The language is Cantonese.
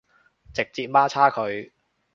直接媽叉佢